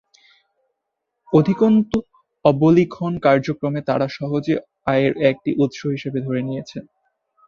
অধিকন্তু অবলিখন কার্যক্রমে তারা সহজে আয়ের একটি উৎস হিসেবেই ধরে নিয়েছে।